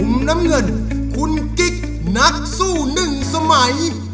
น้ำเงินคุณกิ๊กนักสู้หนึ่งสมัย